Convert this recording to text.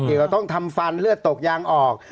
เกี่ยวกับต้องทำฟันเลือดตกยางออก